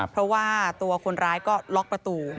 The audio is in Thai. เพราะว่าตัวคนร้ายก็ล็อกประตู